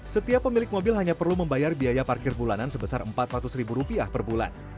setiap pemilik mobil hanya perlu membayar biaya parkir bulanan sebesar empat ratus ribu rupiah per bulan